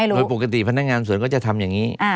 โดยปกติพนักงานสวนก็จะทำอย่างนี้